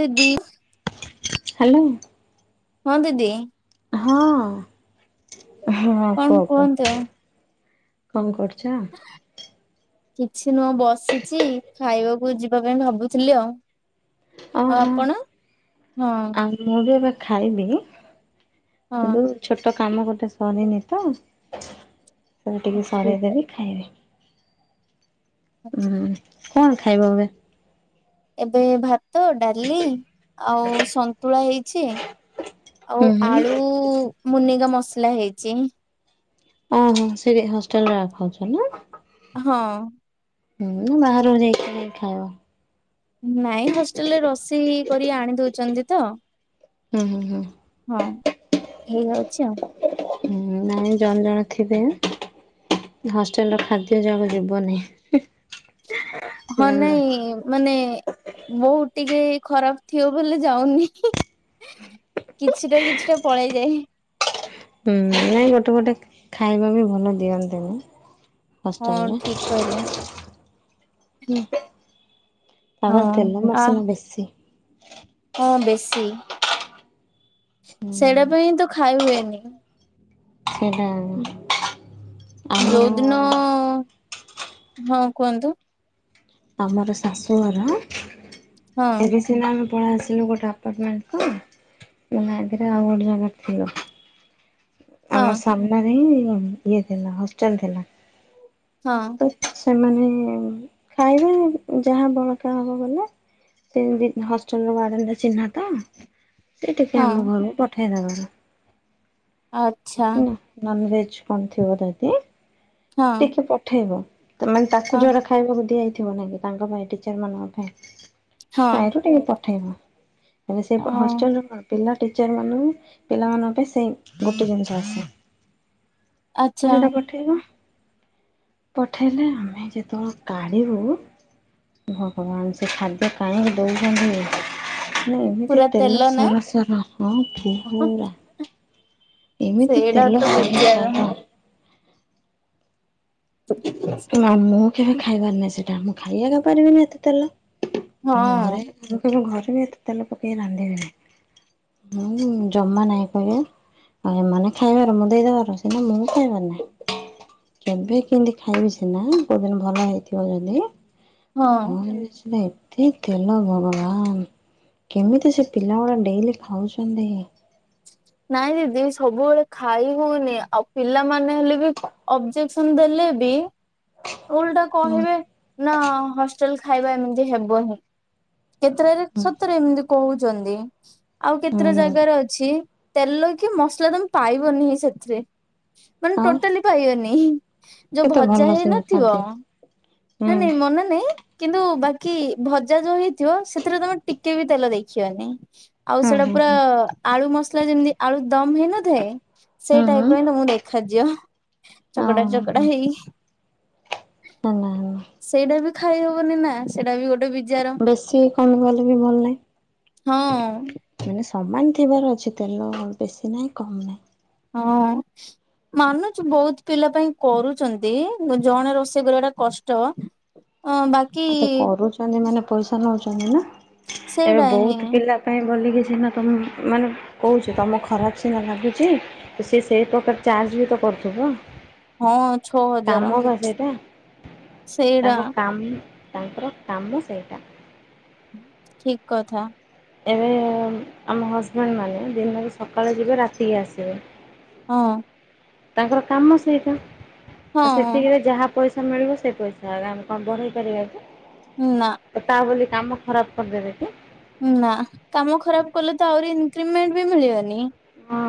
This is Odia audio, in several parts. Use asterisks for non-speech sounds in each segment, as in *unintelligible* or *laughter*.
ଦିଦି ହ୍ୟାଲୋ। ହଁ ଦିଦି। ହଁ ହଁ କଣ କୁହ କୁହ କୁହନ୍ତୁ? କଣ କରୁ ଛା। କିଛି ନୁହଁ ବସିଛି ଖାଇବାକୁ ଯିବା ପାଇଁ ଭାବୁଥିଲି ଆଉ। ଆଉ ଓହୋ ଆପଣ? ହଁ ଆଉ ମୁଁ ବି ଏବେ ଖାଇବି ହଁ କିନ୍ତୁ ଛୋଟ କାମ ଗୋଟେ ସରିନି ତ ସେ ଟିକେ ଠିକ ସରେଇଦେବି ଖାଇବି। ଆଛା। ହୁଁ କଣ ଖାଇବ ଏବେ? ଏବେ ଭାତ ଡାଲି ଆଉ ସନ୍ତୁଳା ହେଇଛି। ହୁଁ ଆଉ ହୁଁ ଆଳୁ ମୁନିଗା ମସଲା ହେଇଛି। ଓହୋ ସେଠି ହଷ୍ଟେଲରେ ଖାଉଛ ନା? ହଁ। ହୁଁ ବାହାରକୁ ଯାଇଥିଲ ନାଇ ଖାଇବା। ନାଇଁ ହଷ୍ଟେଲରେ ରୋଷେଇ କରି ଆଣି ଦଉଛନ୍ତି ତ ହୁଁ ହୁଁ ହୁଁ ହଁ ହେଇଯାଉଛି ଆଉ। ହଁ ନାଇଁ ଜଣେ ଜଣେ ଥିବେ ହଷ୍ଟେଲର ଖାଦ୍ୟ ଯାକ ଯିବନି ହଁ ଜାଣିଲ ନାଇଁ ମାନେ ବହୁତ ଟିକେ ଖରାପ ଥିବ ବୋଲି ଯାଉନି। କିଛିଟା କିଛିଟା ପଳେଇ ଯାଏ। ହୁଁ ନାଇଁ ଗୋଟେ ଗୋଟେ ଖାଇବା ବି ଭଲ ଦିଅନ୍ତିନି। ହଁ ହଷ୍ଟେଲରେ ଠିକ କହିଲେ ହୁଁ। ହଁ ତାପରେ ତେଲ ଆ ମସଲା ବେଶୀ। ହଁ ବେଶୀ। ହୁଁ ସେଇଟା ପାଇଁଁ ତ ଖାଇ ହୁଏନି। ସେଇଟା ଆମର ଯୋଉ ଦିନ ହଁ କୁହନ୍ତୁ। ଆମର ଶାଶୁଘର ହଁ ଏବେ ସିନା ପଳ ଆସିଲୁ ଗୋଟେ ଆପାର୍ଟମେଣ୍ଟ କୁ ମାନେ ଆଗରେ ଆଉ ଗୋଟେ ଜାଗାରେ ଥିଲୁ। ହଁ ଆମ ସାମ୍ନାରେ ହିଁ ଇଏ ଥିଲା ହଷ୍ଟେଲ ଥିଲା। ହଁ ତ ସେମାନେ ଖାଇବା ଯାହା ବଳକା ହବ ବଲେ। ସେମତି ହଷ୍ଟେଲ ୱାର୍ଡେନ ଚିହ୍ନା ତ। ସେ ଟିକେ ହଁ ଆମ ଘରକୁ ପଠେଇଦବାର। ଆଚ୍ଛା କଣ ଥିବ ଜଦି ହଁ ଟିକେ ପଠେଇବ ତାମାନେ ତାକୁ ହଁ ଯୋରା ଖାଇବାକୁ ଦିଆଇ ଥିବ ନାଇଁ କି ତାଙ୍କ ପାଇଁ ଟିଚର ମାନଙ୍କ ପାଇଁ ହଁ ତାହିରୁ ଟିକେ ପଠେଇବ। ସେ ଅ ହଷ୍ଟେଲ କଣ ପିଲା ଟିଚର ମାନଙ୍କୁ ପିଲାମାନଙ୍କ ପାଇଁ ସେ ଗୋଟେ ଜିନିଷ ତ ଆଚ୍ଛା ସେଟା ପଠେଇବ ପଠେଇଲେ ଆମେ ଯେତେବେଳେ କାଢ଼ିବୁ ଭଗବାନ ସେ ଖାଦ୍ୟ କାହିଁକି ଦଉଛନ୍ତି ନା ଏମିତି ପୁରା ତେଲ ନା ସରସର ହଁ ପୁରା ଏମିତି ସେଇଟା ତ ତେଲ ସର ବିଜାର ସର ମା ମୁଁ କେବେ ଖାଇବାର ନାହିଁ ସେଟା ମୁଁ ଖାଇବାକୁ ପାରିବିନି ଏତେ ତେଲ- ଆମ ହଁ ଘରେ ଘରେ ବି ଏତେ ତେଲ ପକେଇକି ରାନ୍ଧିବେନି। ହୁଁ ଜମା ନାଇଁ କହ। ଆଉ ଏମାନେ ଖାଇବାର ମୁଁ ଦେଇଦବାର ସିନା ମୁଁ ଖାଇବାର ନାହିଁ କେବେ କେମିତି ଖାଇବି ସିନା କଉଦିନ ଭଲ ହେଇଥିବ ଯଦି ହଁ କି ତେଲ ଭଗବାନ କେମିତି ସେ ପିଲା ଗୁଡା ଡେଲି ଖାଉଛନ୍ତି। ନାଇଁ ଦିଦି ସବୁବେଳେ ଖାଇ ହଉନି ଆଉ ପିଲାମାନେ ହେଲେ ବି ଅବଜେକ୍ସନ ଦେଲେ *inaudible* ଓଲଟା ହୁଁ କହିବେ ନା ହଷ୍ଟେଲ ଖାଇବା ଏମିତି ହେବନି। କେତେଟାରେ ହୁଁ ସତରେ ଏମିତି କହୁଛନ୍ତି। ଆଉ କେତେଟା ହୁଁ ଜାଗାରେ ଅଛି ତେଲକି ମସଲା ତମେ ପାଇବନି ସେଥିରେ ମାନେ ଆଉ ଟୋଟାଲି ପାଇବନି। ଯୋଉ କେତେ ଭଜା ଭଲ ହେଇ ସେ ନଥିବ ଖାଦ୍ୟ। ହୁଁ ନା ନାଇଁ ମନା ନାଇଁ କିନ୍ତୁ ବାକି ଭଜା ଯୋଉ ହେଇଥିବ, ସେଥିରେ ତମେ ଟିକେ ବି ତେଲ ଦେଖିବନି। ଆଉ ହୁଁ ସେଇଟା ହୁଁ ପୁରା ହୁଁ ଆଳୁ ମସଲା ଯେମିତି ଆଳୁ ଦମ ହେଇନଥାଏ। ସେଇ ହୁଁ ହୁଁ ଟାଇପ ର ହିଁ ତମକୁ ଦେଖାଯିବ। ଚକଡା ଓହୋ ଚକଡା ହେଇ ହେଲା ହେଲା। ସେଇଟା ବି ଖାଇ ହବନି ନା ସେଇଟା ବି ଗୋ ବେଶୀ କମିଗଲେ ବି ଭଲ ହଁ ନାହଁ। ସମାନ ଥିବାର ଅଛି, ତେଲ ବେଶୀ ନାହିଁ କମ୍ ନାହିଁ। ହଁ। ମାନୁଛୁ ବହୁତ ପିଲା ପାଇଁ କରୁଛନ୍ତି, ଜଣେ ରୋଷେଇ କରିବାଟା କଷ୍ଟ। ଅ ବାକି ଆଉ ତ କରୁଛନ୍ତି ମାନେ ପଇସା ନଉଛନ୍ତି ନା ଏବେ ସେଇଟା ହିଁ ବହୁତ ପିଲା ପାଇଁ ବୋଲିକି ସିନା ତମ ମାନେ କହୁଛ ତମ ଖରାପ ସିନା ଲାଗୁଛି। ତ ସିଏ ସେହି ପ୍ରକାର ଚାର୍ଜ ବି ତ କ କରୁଥିବ। ହଁ ଛଅ ହଜାର କାମ ବା ସେଇଟା ସେଇଟା ତାଙ୍କ କାମ ତାଙ୍କର କାମ ସେଇଟା। ଠିକ କଥା। ଏବେ ଆମ ହଜବେଣ୍ଡ ମାନେ ଦିନରେ ସକାଳୁ ଯିବେ ରାତିକି ଆସିବେ ହଁ। ତାଙ୍କର କାମ ସେଇଟା ଆ ହଁ ସେତିକିରେ ଯାହା ପଇସା ମିଳିବ ସେ ପଇସା ଆ ଆମେ କଣ ବଢେଇ ପାରିବା କି? ନା ତ ତା ବୋଲି କାମ ଖରାପ କରିଦେବେ କି? ନା କାମ ଖରାପ କଲେ ତ ଆହୁରି ଇନକ୍ରିମେଣ୍ଟ ବି ମିଳିବନି। ହଁ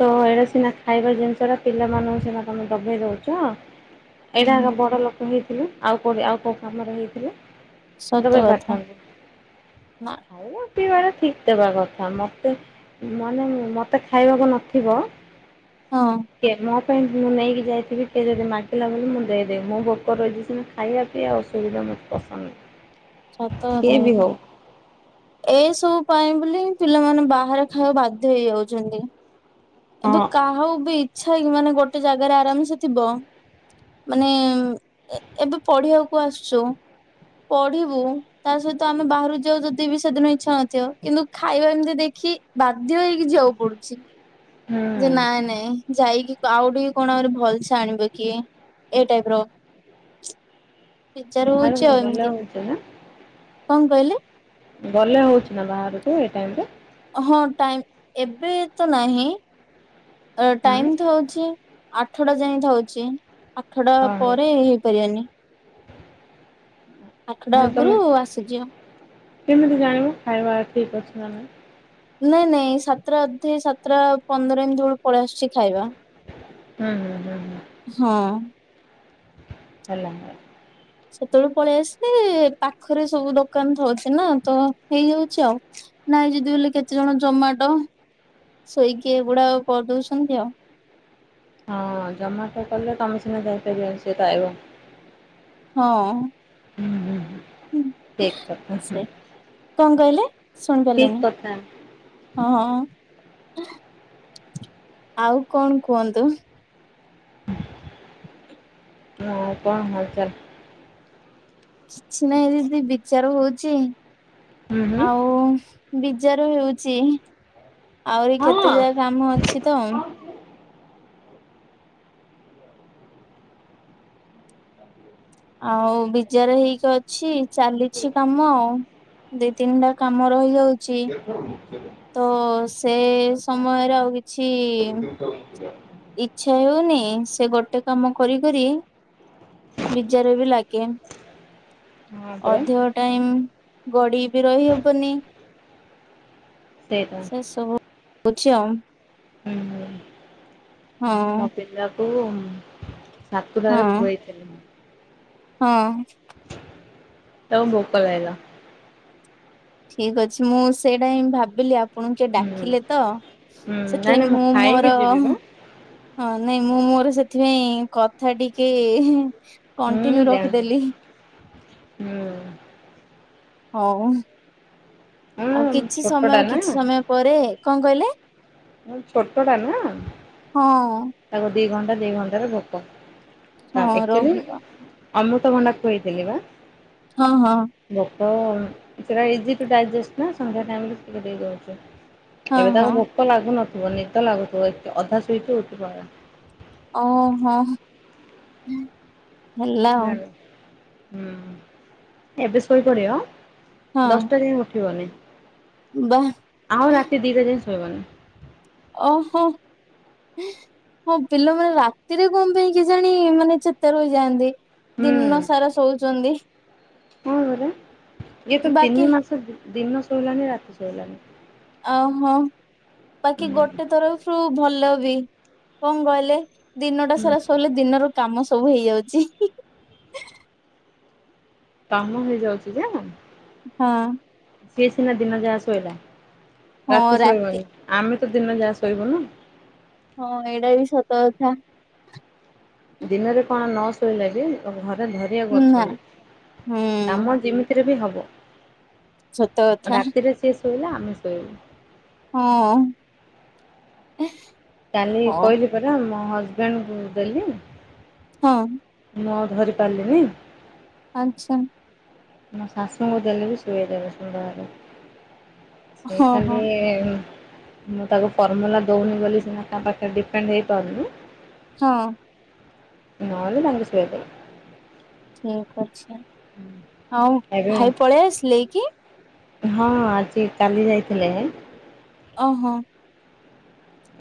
ତ ଏଇଟା ସିନା ଖାଇବା ଜିନିଷଟା, ପିଲାମାନଙ୍କୁ ସିନା ତମେ ଦବେଇ ଦଉଛ ଏଇଟା ହୁଁ ଆଗ ବଡ ଲୋକ ହେଇଥିଲେ? ଆଉ କୋଉଠି ଆଉ କୋଉ କାମରେ ହେଇଥିଲେ? ସତ ଦବେଇ କଥା ପାରିଥାନ୍ତେ। ନା ଖାଇବା ପିଇବାଟା ଠିକ ଦବା କଥା। ମତେ ମାନେ ମତେ ଖାଇବାକୁ ନଥିବ ହଁ କେ ମ ପାଇଁ ମୁଁ ନେଇକି ଯାଇଥିବି। କିଏ ଯଦି ମାଗିଲା ବୋଲି ମୁଁ ଦେଇଦେବି। ମୁଁ ଭୋକ ରହିଛି ସିନା ଖାଇବା ପିଇଆ ଅସୁବିଧା ପସନ୍ଦ ନୁହେଁ। ସତ କିଏ କଥା ବି ଏଟା। ହଉ ଏ ସବୁ ପାଇଁ ବୋଲି ପିଲାମାନେ ବାହାରେ ଖାଇବା ବାଧ୍ୟ ହେଇଯାଉଛନ୍ତି। ଏବେ ହଁ କାହାକୁ ବି ଇଚ୍ଛା ହେଇ ମାନେ ଗୋଟେ ଜାଗାରେ ଆରାମସେ ଥିବ ମାନେ ଏ ଏବେ ପଢିବାକୁ ଆସୁଛୁ ପଢିବୁ। ତା ସହିତ ଆମେ ବାହାରୁ ଯାଉ ଯଦି ବି ସେଦିନ ଇଚ୍ଛା ନଥିବ କିନ୍ତୁ ଖାଇବା ଏମିତି ଦେଖ କି ବାଧ୍ୟ ହେଇକି ଯିବାକୁ ପଡୁଛି। ଯେ ହୁଁ। ନାଇଁ ନାଇଁ ଯାଇକି ତ ଆଉ ଟିକେ କଣ ଆହୁରି ଭଲସେ ଆଣିବ କିଏ ଏଇ ଟାଇପ ର ବେଜାର ବାହାରକୁ ହଉଛି ଆଉ ଗଲେ ଏମିତି। ହଉଛି ନା କଣ କହିଲେ? ଗଲେ ହଉଛି ନା ବାହାରକୁ ଏଇ ଟାଇମରେ? ହଁ ଟାଇମ ଏବେ ତ ନାହିଁ ଏ ଟାଇମ ହୁଁ ଥାଉଛି ଆଠଟା ଯାଇ ଥାଉଛି ଆଠଟା ପରେ ହେଇପାରିବନି। ଆଠଟା ଆଗରୁ ତମେ ଆସିଯିବ। କେମିତି ଜାଣିବୁ ଖାଇବା ଠିକ ଅଛି ନା ନାଇଁ? ନାଇଁ ନାଇଁ ସାତଟା ଅଧେ ସାତଟା ପନ୍ଦର ଏମିତି ବେଳକୁ ପଳେଇ ଆସୁଛି ଖାଇବା। ହୁଁ ହଁ ହଁ ହ। ହଁ। ହେଲା। ସେତେବେଳେ ପଳେଇ ଆସିଲେ, ପାଖରେ ସବୁ ଦୋକାନ ଥଉଛି ନା ତ ହେଇଯାଉଛି ଆଉ। ନାଇଁ ଯଦି ବୋଲି କେତେ ଜଣ ଜମାଟ ଶୋଇକି ଏ ଗୁଡା ଆଉ କରିଦଉଛନ୍ତି ଆଉ। ହଁ ଜମାଟ କଲେ ତମେ ସିନା ଯାଇପାରିବନି ସେତ ଆଇବ। ହଁ। ହୁଁ ହୁଁ ହୁଁ। ଠିକ୍ କଥା ହୁଁ। ସେ କଣ କହିଲେ ଶୁଣିପାରିଲିନି? ହଁ ହଁ ଆଉ କଣ କୁହନ୍ତୁ? ହଁ, କଣ ହାଲ୍ ଚାଲ୍? କିଛି ନାହିଁ ଯଦି ବିଚାର ହଉଛି ହୁଁ ହୁଁ। ଆଉ ବିଜାର ହେଉଛି ଆହୁରି କେତେ ହଁ। ଯାଏ କାମ ଅଛି ତ ଆଉ ବିଜାର ହେଇକି ଅଛି ଚାଲିଛି କାମ ଆଉ। ଦି ତିନିଟା କାମ ରହିଯାଉ ଛି ତ ସେ ସମୟରେ ଆଉ କିଛି ଇଚ୍ଛା ହେଉନି ସେ ଗୋଟେ କାମ କରି କରି ବିଜାର ବି ଲାଗେ। ହଁ ପରା। ଅଧିକ ଟାଇମ ଗଡି ବି ରହିହବନି। ସେଇଟା ସେ ସବୁ ଉଛି ଆଉ। ହୁଁ ହଁ ମୋ ପିିଲାକୁ ସାତୁଟାରେ ହଁ ଖୁଏଇଥିଲି ମୁଁ। ହଁ। ତାକୁ ଭୋକ ଲାଗିଲା। ଠିକ ଅଛି ମୁଁ ସେଇଟା ହିଁ ଭାବିଲି ଆ ଆପଣଙ୍କୁ କିଏ ହୁଁ। ଡାକିଲେ ତ ହୁଁ ନାଇଁ ସେଥିପାଇଁ ନାଇଁ ମୁଁ ଖାଇକି ମୋର ଯିବି ବା। ହଁ ନାଇଁ ମୁଁ ମୋର ସେଥିପାଇଁ କଥା ଟିକେ ହୁଁ କଣ୍ଟିନ୍ୟୁ ଜାଣିଲି। ରଖିଦେଲି। ହୁଁ। ହଉଁ ହଁ ଆଉ କିଛି ଛୋଟଟା ସମୟ ନା କିଛି ସମୟ ପରେ କଣ କହିଲେ? ହୁଁ ଛୋଟ ଟାରୁ ନା। ହଁ। ତାକୁ ଦି ଘଣ୍ଟା ଦି ଘଣ୍ଟାରେ ଗପ। ହଁ ରହିବା। ଅମୃତଭଣ୍ଡା ଖୁଏଇଥିଲି ବା। ହଁ, ହଁ। ତ ସେଟା ଇଜି ଟୁ ଡାଇଜେଷ୍ଟ ନା ସନ୍ଧ୍ୟା ଟାଇମରେ ଟିକେ ଦେଇଦଉଛୁ। ହଁ ଏବେ ହଁ ତାକୁ ଭୋକ ଲାଗୁନଥିବ ନିଦ ଲାଗୁଥିବ ଅଧା ଶୁଇକି ଉଠିପ ଓହୋ ହେଲା ଆଉ। ହୁଁ ଏବେ ଶୋଇପଡିବ ହଁ ଦଶଟା ଯାଏ ଉଠିବନି। ବା ଆଉ ରାତି ଦିଟା ଯାଏ ଶୋଇବ ନି। ଓହୋ। ହଁ ପିଲାମାନେ ରାତିରେ କଣ ପାଇଁ କେଜାଣି ମାନେ ଚେତା ରହିଯାଆନ୍ତି। ହୁଁ ଦିନ ସାରା ଶଉଚନ୍ତି। ହଁ ପରା ଇଏ ତ ବାକି ତିନି ମାସ ଦିନ ଶୋଇଲାଣି ରାତି ଶୋଇଲାଣି। ଓହୋ ବାକି ଗୋଟେ ତରଫରୁ ଭଲ ବି କଣ କହିଲେ? ଦିନଟା ହୁଁ ସାରା ସୋଇଲେ ଦିନର କାମ ସବୁ ହେଇଯାଉଛି। କାମ ହେଇଯାଉଛି ଯେଆଁ ହଁ। ସିଏ ସିନା ଦିନ ଯାହା ଶୋଇଲା ରାତି ଶୋଇବନି ଆମେ ଗୋଟେ ଦିନ ଯାହା ଶୋଇବ ନା। ହଁ, ଏଇଟା ବି ସତ କଥା। ଦିନରେ କଣ ନ ଶୋଇଲେ ବି ଘ ଧରିବାକୁ ନା ଅଛନ୍ତି ହୁଁ କାମ ଯେମିତିରେ ବି ହବ। ସତକଥା। ରାତିରେ ସିଏ ଶୋଇଲା ଆମେ ଶୋଇଲୁ। ହଁ। କାଲି ହଁ କହିଲି ପରା ମୋ ହଜବେଣ୍ଡ ଙ୍କୁ ଦେଲି। ହଁ। ମୁଁ ଧରି ପାରିଲିନି। ଆଚ୍ଛା। ମୋ ଶାଶୁଙ୍କୁ ଦେଲେ ବି ଶୁଇଦେବେ ସୁନ୍ଦର ଭାବେ। ସେଇ ହଁ ହଁ ଖାଲି ମୁଁ ତାକୁ ଫର୍ମୁଲା ଦଉନି ବୋଲି ସିନା କାହା ପାଖରେ ଡିପେଣ୍ଡ ହେଇପାରୁନି। ହଁ। ନହଲେ ମମି ସୁଏଇଦେବେ। ଠିକ୍ ଅଛି ଆଉ ଏବେ ଭାଇ ପଳେଇ ଆସିଲେ କି? ହଁ ଆଜି ଚାଲି ଯାଇଥିଲେ। ଓହୋ।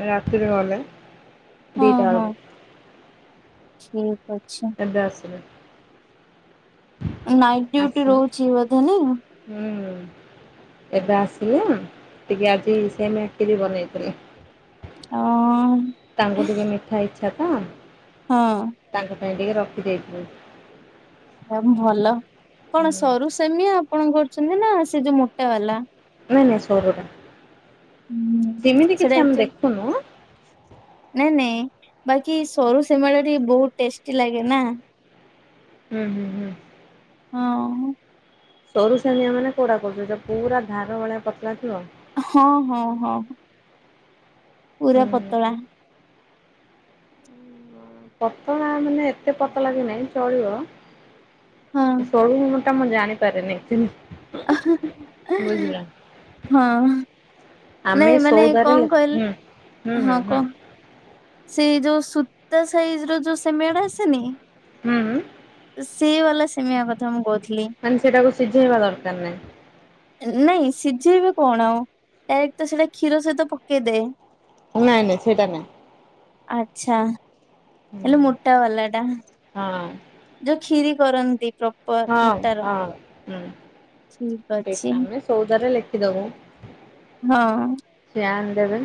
ରାତିରେ ଗଲେ ଦିଟା ବେଳକୁ। ଠିକ୍ ଅଛି। ଏବେ ଆସିଲେ ନାଇଟ୍ ଡିଉଟି ଆସିନି ରହୁଛି ବୋଧେ ନାଇଁ? ହୁଁ। ଏବେ ଆସିଲେ ଟିକେ ଆଜି ସେମେଇ ଖିରି ବନେଇଥିଲି। ଅ ତାଙ୍କୁ ଟିକେ ମିଠା ଇଛା ତ ହଁ। ତାଙ୍କ ପାଇଁ ଟିକେ ରଖିଦେଇଥିଲି। ଭଲ କଣ ସରୁ ସେମି ଆପଣ କରୁଚନ୍ତି ନା ସେ ଯୋଉ ମୋଟା ବାଲା? ନାଇଁ ନାଇଁ ସରୁଟା ହୁଁ ସେମିତି ସେଟା କିଛି ଆମେ ଆକ୍ଚୁଆଲି ଦେଖୁନୁ ନାଇଁ ନାଇଁ ବାକି ସରୁ ସେମେଇ ଟା ଟିକେ ବହୁତ ଟେଷ୍ଟି ଲାଗେ ନା ହୁଁ ହୁଁ ହୁଁ। ହଁ। ସରୁସାନିଆ ମାନେ କୋଉଟା କହୁଛନ୍ତି ଯୋଉ ପୁରା ଧାର ଭଳିଆ ପତଲା ଥିବ? ହଁ ହଁ ହଁ। ପୁରା ପତଳା। ପତଳା ମାନେ ଏତେ ପତଳା ବି ନାହିଁ ଚଳିବ ହଁ। ସରୁ ମତେ ଟା ମୁଁ ଜାଣିପାରେନି ଚି଼ହ୍ନ ହଁ। ଆମେ ନାଇଁ ମାନେ ସଉଦାରେ କଣ କହିଲ ହୁଁ ହୁଁ ହଁ ହୁଁ। କଣ ସେଇ ଯୋଉ ସୁୂତା ସାଇଜ ର ଯୋଉ ସେମେଇ ଆସେନି ହୁଁ। ସେଇ ବାଲା ସିମିଆ କଥା ମୁଁ କହୁଥିଲି। ମାନେ ସେଟାକୁ ସିଝେଇବା ଦରକାର ନାହିଁ? ନାଇଁ ସିଝେଇବେ କଣ ଡାଇରେକ୍ଟ ତ ସେଟା କ୍ଷୀର ସହିତ ପକେଇଦେବେ। ନାଇଁ ନାଇଁ ସେଇଟା ନାଇଁ ଆଛା। ହେଲେ ମୋଟା ବାଲାଟା ହଁ ଯୋଉ କ୍ଷିରି କରନ୍ତି ପ୍ରପର ହଁ ମୋଟାର ହଁ ହଁ। ଠିକ ସେଇଟା ଅଛି ଆମେ ସଉଦରେ ଲେଖିଦବୁ ହଁ। ଧ୍ୟାନ ଦେବେ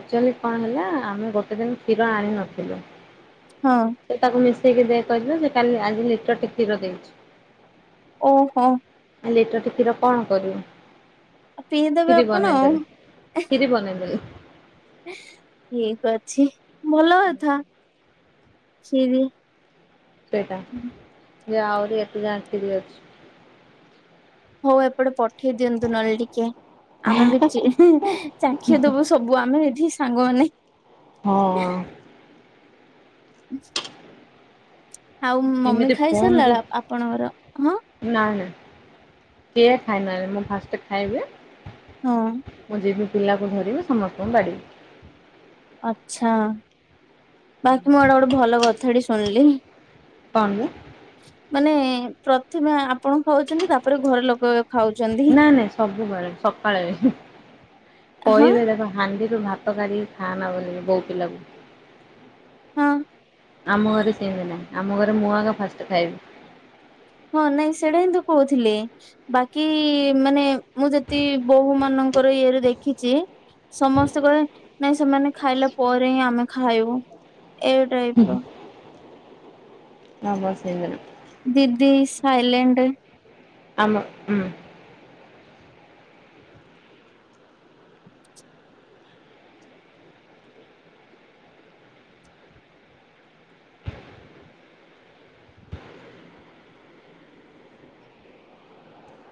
ଏକଚୁଲି କଣ ହେଲା ଆମେ ଗୋଟେ ଦିନ କ୍ଷୀର ଆଣି ନଥିଲୁ ହଁ ସେ ତାକୁ ମିଶେଇକି ଦେ କହିଥିଲା ସେ କାଲି ଆଜି ଲିଟର ଟେ କ୍ଷୀର ଦେଇଚି। ଓହୋ। ଲୀଟର ଟେ କ୍ଷୀର କଣ କରିବି ପିଇଦେବେ ଖୀରି ଆପଣ ଆଉ ବନେଇଦେଲେ ଖୀରି ବନେଇଦଲି। ଠିକ ଅଛି ଭଲ କଥା ସିଏ ଖିରି ସେଇଟା ଯେ ଆହୁରି ଏତେ ଯାଏଁ ଖୀରି ଅଛି। ହଉ ଏପଟେ ପ ଠେଇ ଦିଅନ୍ତୁ ନହେଲେ ଟିକେ ଆମେ ବି ଚି ଚାଖି ଦବୁ ସବୁ ଆମେ ଏଠି ସାଙ୍ଗମାନେ ହଁ। ଆଉ ମମି ଏମିତି ଫୋନ୍ ଖାଇସାରିଲା ଆପଣଙ୍କର ହଁ ଦଖି ନା ନା କିଏ ଖାଇନାହାନ୍ତି ମୁଁ ଫାଷ୍ଟ ଖାଇବି ହଁ ମୁଁ ଯିବି ପିଲାକୁ ଧରିବେ ସମସ୍ତଙ୍କୁ ବାଢ଼ିବି ଆଛା ବାକି ମୁଁ ଆଡେ ଗୋଟେ ଭଲ କଥାଟି ଶୁଣିଲି ତମେ ମାନେ ପ୍ରଥମେ ଆପ ଆପଣ ଖାଉଚନ୍ତି ତାପରେ ଘର ଲୋକ ଏ ଖାଉଚନ୍ତି। ନା ନାଇଁ ସବୁବେଳେ ସକାଳେ କହିବେ କେବ ହାଣ୍ଡିରୁୁ ଭାତ କାଢିକି ଖାନା ବୋଲିକି ବୋଉ ପିଲାକୁ। ହଁ। ଆମ ଘରେ ସେମିତି ନାହିଁ ଆମ ଘରେ ମୁଁ ଆଗ ଫାଷ୍ଟ ଖାଇବି। ହଁ ନାଇଁ ସେଇଟା ହିଁ ତୁ କହୁଥିଲି ବାକି ମାନେ ମୁଁ ଯଦି ବୋହୂ ମନ ଙ୍କର ଇଏ ରୁ ଦେଖିଚି ସମସ୍ତେ କହେବେ ନାଇଁ ସେମାନେ ଖାଇଲା ପରେ ହିଁ ଆମେ ଖାଇବୁ। ଏ ଟାଇପ ର। *unintelligible* ଦିଦି ସାଇଲେଣ୍ଡେ। ଆମ ଉଁ।